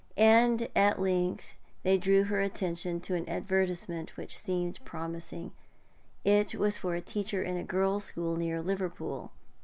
And at length they drew her attention to an advertisement which seemed promising; it was for a teacher in a girls' school near Liverpool.